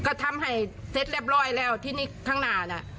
ก็ทำให้เซ็ตเรียบร้อยแล้วที่นี่ทั้งหลาน